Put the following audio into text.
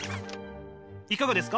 いかがですか？